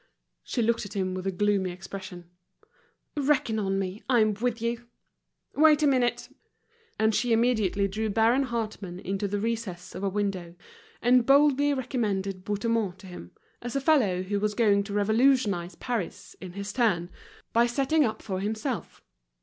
She looked at him with a gloomy expression. "Reckon on me, I'm with you. Wait a minute." And she immediately drew Baron Hartmann into the recess of a window, and boldly recommended Bouthemont to him, as a fellow who was going to revolutionize Paris, in his turn, by setting up for himself.